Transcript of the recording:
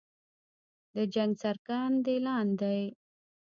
د جنګ څرګند اعلان دی.